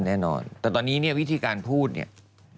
แน่นอนแต่ตอนนี้เนี่ยวิธีการพูดเนี่ย